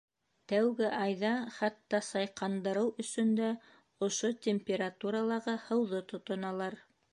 Тәүге айҙа хатта сайҡандырыу өсөн дә ошо температуралағы һыуҙы тотоналар.